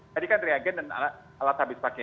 tadi kan reagen dan alat habis pakai